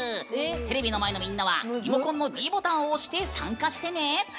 テレビの前のみんなはリモコンのｄボタンを押して参加してね。